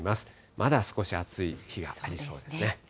まだ少し暑い日がありそうですね。